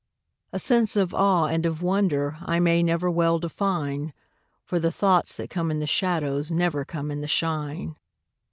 A sense of awe and of wonder I may never well define, For the thoughts that come in the shadows Never come in the shine.